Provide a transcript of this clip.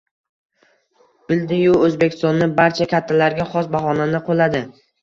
Bildi-yu... O’zbekistonni barcha kattalariga xos bahonani qo‘lladi.